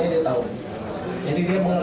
keberangkatan ribuan calon jemaah umroh